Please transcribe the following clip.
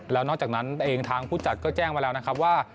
แล้วนอกจากนั้นเองทางผู้จัดก็แจ้งมาแล้วนะครับว่า